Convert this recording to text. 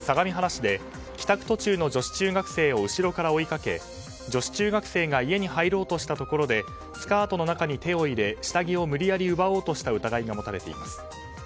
遠藤宏太容疑者は去年１０月神奈川県相模原市で帰宅途中の女子中学生を後ろから追いかけ、女子中学生が家に入ろうとしたところでスカートの中に手を入れ下着を無理やり奪おうとした疑いが持たれています。